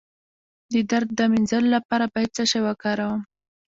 د درد د مینځلو لپاره باید څه شی وکاروم؟